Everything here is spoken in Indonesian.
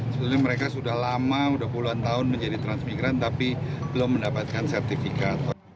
sebenarnya mereka sudah lama sudah puluhan tahun menjadi transmigran tapi belum mendapatkan sertifikat